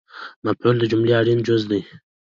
مفعول د جملې اړین جز دئ